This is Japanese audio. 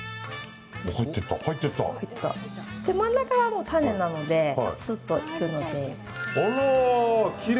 で、もう真ん中は種なのですっといくので。